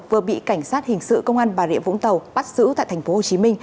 vừa bị cảnh sát hình sự công an bà rịa vũng tàu bắt giữ tại tp hcm